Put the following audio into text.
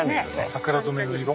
桜染めの色？